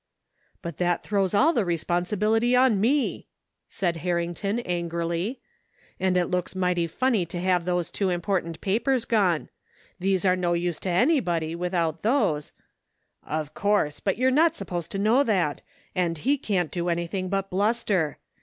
" But that throws all the responsibility on me," said Harrington angrily. " And it looks mighty funny to have those two important papers gone. These are no use to anybody without those ^"" Of course, but you're not supposed to know that, 121 THE FINDING OF JASPER HOLT and he can't do anything but bluster.